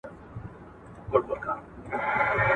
هره بریا لمانځل غواړي.